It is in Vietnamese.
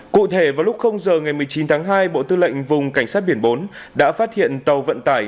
cụ thể vào lúc giờ ngày một mươi chín tháng hai bộ tư lệnh vùng cảnh sát biển bốn đã phát hiện tàu vận tải